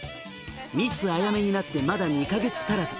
「ミスあやめになってまだ２か月足らず」